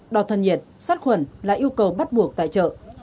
đo thân nhiệt sát khuẩn là yêu cầu bắt buộc tại chợ